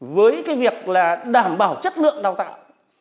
với cái việc là đảm bảo chất lượng đào tạo